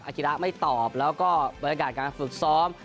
กิระไม่ตอบแล้วก็บรรยากาศการฝึกซ้อม